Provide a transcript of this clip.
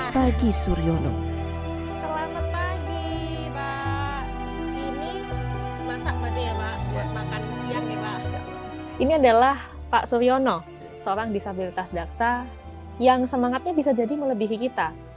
bagi suryono selamat pagi pak ini masak berdua buat makan siang ya pak ini adalah pak suryono seorang disabilitas daksa yang semangatnya bisa jadi melebihi kita yang semangatnya bisa jadi melebihi kita yang semangatnya bisa jadi melebihi kita